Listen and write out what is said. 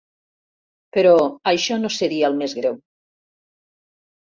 Però això no seria el més greu.